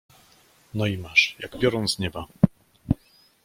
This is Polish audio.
No i masz — jak piorun z nieba.